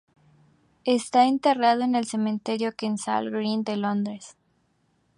Está enterrado en el Cementerio de Kensal Green, Londres.